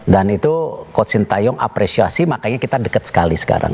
dan itu coach sintayong apresiasi makanya kita dekat sekali sekarang